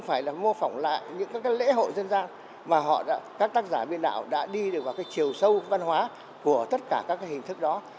vậy là mô phỏng lại những lễ hội dân gian mà các tác giả biên đạo đã đi được vào chiều sâu văn hóa của tất cả các hình thức đó